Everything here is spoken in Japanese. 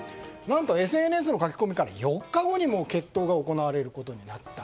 何とＳＮＳの書き込みから４日後にもう決闘が行われることになった。